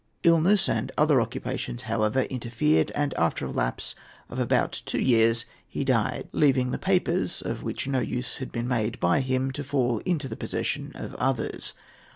Illness and other occupations, however, interfered, and, after a lapse of about two years, he died, leaving the papers, of which no use had been made by him, to fall into the possession of others.